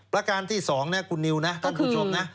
ประการที่๒นะคุณนิวนะท่านผู้ชมนะ